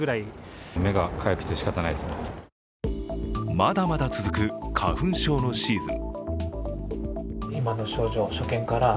まだまだ続く花粉症のシーズン。